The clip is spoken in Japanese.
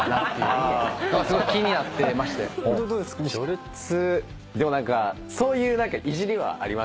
序列でも何かそういういじりはありましたね。